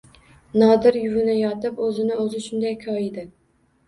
Nodir yuvinayotib o‘zini o‘zi shunday koyidi